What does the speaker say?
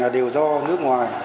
đều do nước ngoài